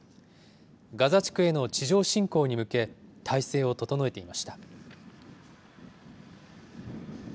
ガザ地区への地上侵攻に向け、態勢を整えていました。